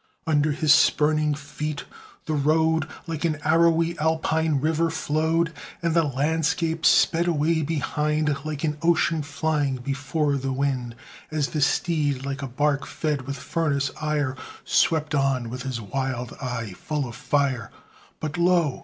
Under his spurning feet, the road Like an arrowy Alpine river flowed, And the landscape sped away behind Like an ocean flying before the wind; And the steed, like a bark fed with furnace ire, Swept on, with his wild eye full of fire; But, lo!